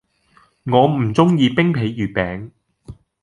我唔鍾意冰皮月餅